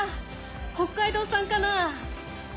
北海道産かな？